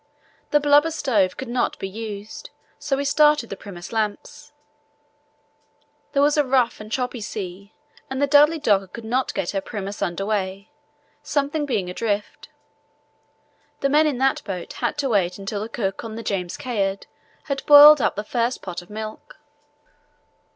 The blubber stove could not be used, so we started the Primus lamps. There was a rough, choppy sea, and the Dudley Docker could not get her Primus under way, something being adrift. The men in that boat had to wait until the cook on the James Caird had boiled up the first pot of milk.